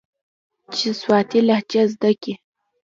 چې سواتي لهجه زده کي.